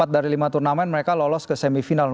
empat dari lima turnamen mereka lolos ke semifinal